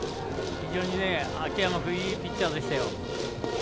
秋山君いいピッチャーでしたよ。